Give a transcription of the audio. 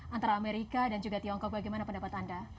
antara amerika dan juga tiongkok bagaimana pendapat anda